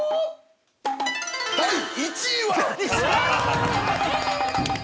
第１位は？